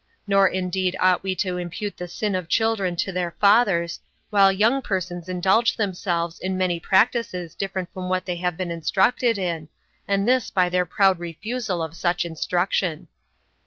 Nor indeed ought we to impute the sin of children to their fathers, while young persons indulge themselves in many practices different from what they have been instructed in, and this by their proud refusal of such instruction.